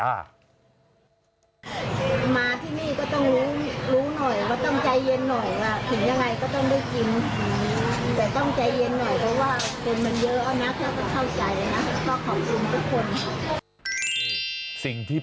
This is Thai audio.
มาที่นี่ก็ต้องรู้หน่อยต้องใจเย็นหน่อยถึงยังไงก็ต้องได้กิน